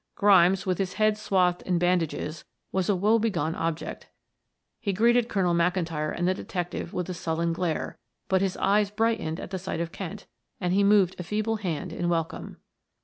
Grimes, with his head swathed in bandages, was a woe begone object. He greeted Colonel McIntyre and the detective with a sullen glare, but his eyes brightened at sight of Kent, and he moved a feeble hand in welcome.